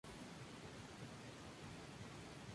Valle Riestra no participaría por un tiempo de la política.